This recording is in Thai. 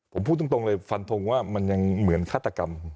ผมพูดตรงเลยฟันทงว่ามันยังเหมือนฆาตกรรม